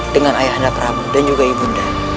dengan ayah anda prabu dan juga ibu anda